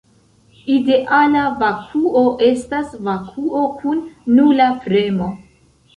Ideala vakuo estas vakuo kun nula premo.